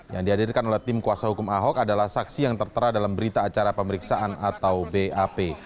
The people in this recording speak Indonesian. yang dihadirkan oleh tim kuasa hukum ahok adalah saksi yang tertera dalam berita acara pemeriksaan atau bap